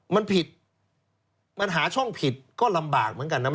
มันผิดมันหาช่องผิดก็ลำบากเหมือนกันนะ